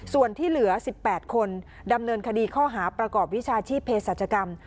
ส่วนที่เหลือ๑๘คนดำเนินคดีข้อหาประกอบวิชาชีพเพศรัชกรรม